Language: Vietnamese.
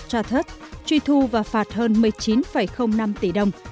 truy thu và phạt hơn một mươi chín năm tỷ đồng